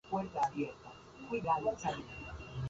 La obra ha sido llevada a la gran pantalla en dos ocasionesː